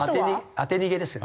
当て逃げですよね。